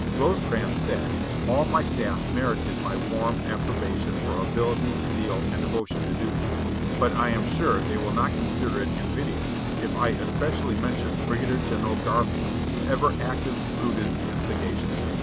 Rosecrans said: "All my staff merited my warm approbation for ability, zeal, and devotion to duty; but I am sure they will not consider it invidious if I especially mention Brigadier General Garfield, ever active, prudent, and sagacious.